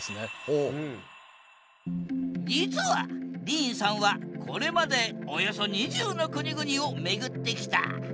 実はディーンさんはこれまでおよそ２０の国々をめぐってきた。